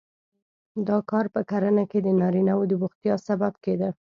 دا کار په کرنه کې د نارینه وو د بوختیا سبب کېده